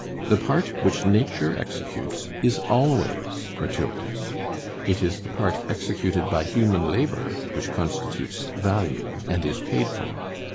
The part which nature executes is always gratuitous; it is the part executed by human labor which constitutes value, and is paid for.